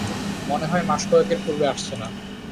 মনে হয় মাসকয়েকের পূর্বে আসছে না।